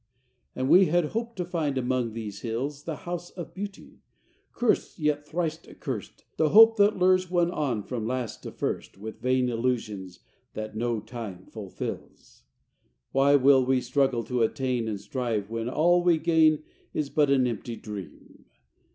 XVIII And we had hoped to find among these hills The House of Beauty! Curst, yea thrice accurst, The hope that lures one on from last to first With vain illusions that no time fulfills! XIX Why will we struggle to attain, and strive, When all we gain is but an empty dream?